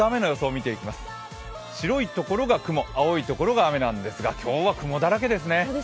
白い所が雲、青い所が雨なんですが今日は雲だらけですね。